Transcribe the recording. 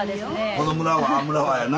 この村は村はやな。